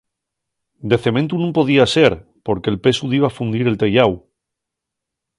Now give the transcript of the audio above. De cementu nun podía ser porque'l pesu diba fundir el teyáu.